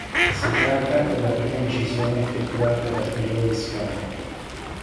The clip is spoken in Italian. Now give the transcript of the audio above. Si tratta della prima incisione effettuata dal Trio Lescano.